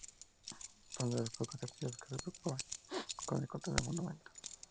Fue uno de los pocos artistas que se preocupaban por el contexto del monumento.